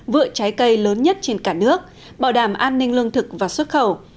vựa trái cây lớn nhất trên cả nước bảo đảm an ninh lương thực và xuất khẩu